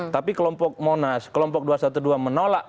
tapi kelompok monas kelompok dua ratus dua belas menolak